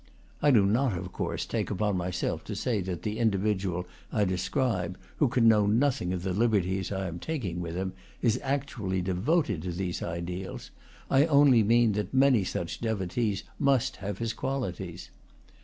(I do not, of course, take upon myself to say that the indi vidual I describe who can know nothing of the liberties I am taking with him is actually devoted to these ideals; I only mean that many such devotees must have his qualities.)